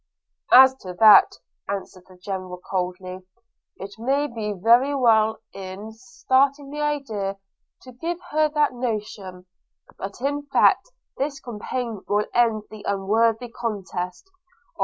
'As to that,' answered the General coldly, 'it may be very well, in starting the idea, to give her that notion; but in fact this campaign will end the unworthy contest.